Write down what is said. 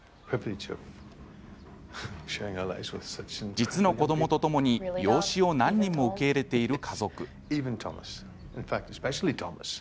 実の子どもとともに養子を何人も受け入れている家族。